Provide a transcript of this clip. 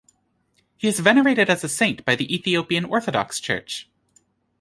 He is venerated as a saint by the Ethiopian Orthodox Church.